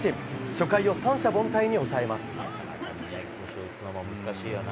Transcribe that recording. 初回を三者凡退に抑えます。